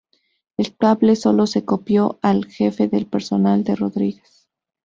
El cable solo se copió al jefe del personal de Rodríguez.